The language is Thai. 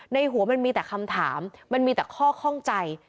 หัวมันมีแต่คำถามมันมีแต่ข้อข้องใจ